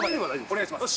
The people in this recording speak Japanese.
お願いします。